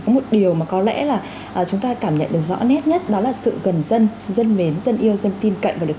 cảm ơn các bạn đã theo dõi